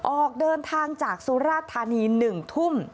ออกเดินทางจากสุราธานี๑ทุ่ม